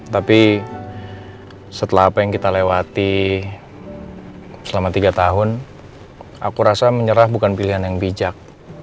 tapi setelah apa yang kita lewati selama tiga tahun aku rasa menyerah bukan pilihan yang bijak